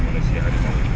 manusia ada di melayu